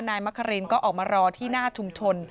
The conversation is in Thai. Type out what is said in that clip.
มะครินก็ออกมารอที่หน้าชุมชน